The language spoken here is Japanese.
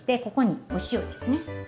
ここにお塩ですね。